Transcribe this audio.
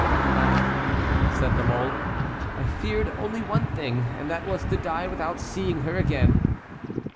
"Ah!" said La Mole, "I feared only one thing, and that was to die without seeing her again.